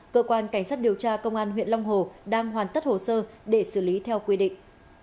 cơ quan cảnh sát điều tra công an huyện long hồ đang hoàn tất hồ sơ để xử lý theo quy định